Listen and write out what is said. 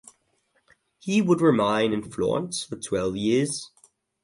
He would remain in Florence for twelve years.